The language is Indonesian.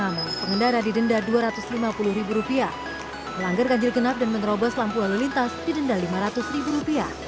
melanggar ganjil genap dan menerobos lampu lalu lintas didenda rp lima ratus